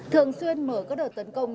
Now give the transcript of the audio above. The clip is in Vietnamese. thường xuyên mở các đợt tấn công